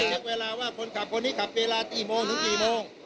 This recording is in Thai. เช็คเวลาว่าคนขับคนนี้ขับเวลากี่โมงถึงกี่โมง